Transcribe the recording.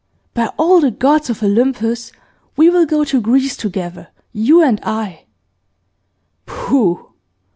By all the gods of Olympus, we will go to Greece together, you and I!' 'Pooh!